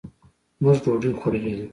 مونږ ډوډۍ خوړلې ده.